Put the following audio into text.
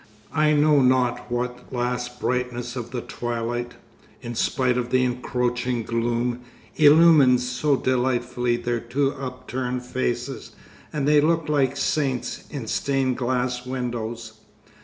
I know not what last brightness of the twilight, in spite of the encroaching gloom, illumines so delightfully their two upturned faces, and they look like saints in stained glass windows.